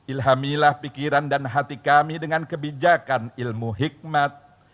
ilhamilah pikiran dan hati kami dengan kebijakan ilmu hikmat